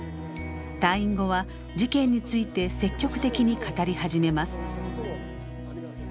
退院後は事件について積極的に語り始めます。